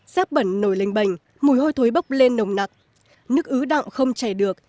giáp bẩn nổi lênh bềnh mùi hôi thối bốc lên nồng nặc nước ứ đọng không chảy được